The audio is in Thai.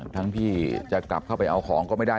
ที่จะกลับเข้าไปเอาของก็ไม่ได้